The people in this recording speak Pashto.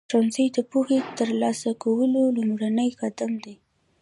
ښوونځی د پوهې ترلاسه کولو لومړنی قدم دی.